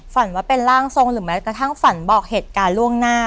ฝันว่าเป็นร่างทรงหรือแม้กระทั่งฝันบอกเหตุการณ์ล่วงหน้า